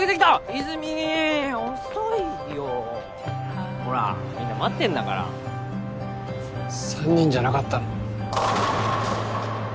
和泉遅いよほらみんな待ってんだから３人じゃなかったの？